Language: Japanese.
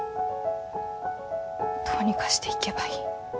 どうにかして行けばいい。